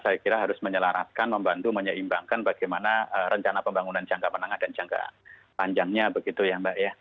saya kira harus menyelaraskan membantu menyeimbangkan bagaimana rencana pembangunan jangka menengah dan jangka panjangnya begitu ya mbak ya